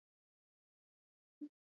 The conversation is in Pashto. واوره د افغانستان د طبیعت د ښکلا برخه ده.